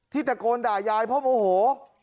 ที่แตกล่นด่ายายเพราะโมโหมโหน